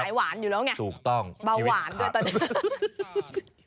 แผ่นใส่หวานอยู่แล้วไงเบาหวานด้วยตอนนี้